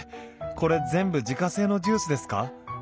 これ全部自家製のジュースですか？